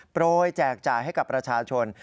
โปรยแจกจ่ายให้กับประชาชน